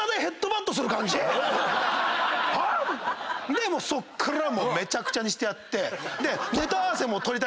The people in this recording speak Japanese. でそっからもうめちゃくちゃにしてやって。